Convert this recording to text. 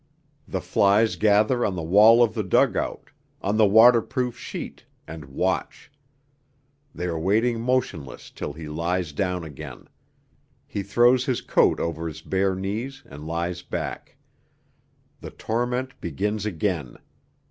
The flies gather on the walls of the dug out, on the waterproof sheet, and watch; they are waiting motionless till he lies down again. He throws his coat over his bare knees and lies back. The torment begins again.